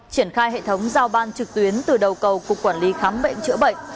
triển khai hệ thống giao ban trực tuyến từ đầu cầu cục quản lý khám bệnh chữa bệnh